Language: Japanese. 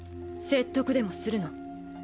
説得でもするの？